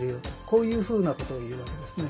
こういうふうなことを言うわけですね。